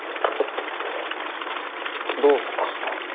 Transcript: どうされましたか。